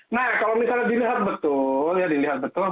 nah kalau misalnya dilihat betul ya dilihat betul